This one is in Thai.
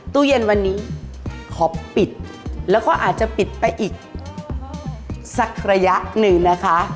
ตู้เย็นวันนี้ขอปิดแล้วก็อาจจะปิดไปอีกสักระยะหนึ่งนะคะ